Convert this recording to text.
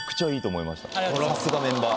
さすがメンバー。